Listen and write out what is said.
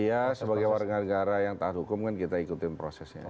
iya sebagai warga negara yang taat hukum kan kita ikutin prosesnya